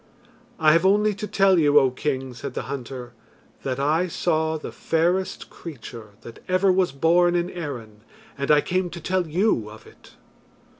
"I have only to tell you, O king," said the hunter, "that I saw the fairest creature that ever was born in Erin, and I came to tell you of it."